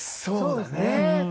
そうね。